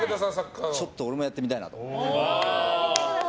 ちょっと俺もやってみたいな。